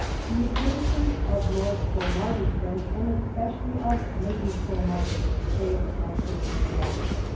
The exertions of Lord Cromarty's friends, and especially of Lady Cro marty, saved that prisoner's life.